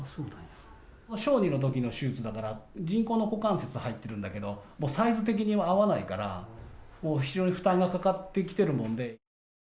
小児のときの手術だから、人工の股関節入ってるんだけど、サイズ的には合わないから、非常に負担がかかってきてるので。